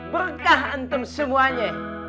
berkah antum semuanya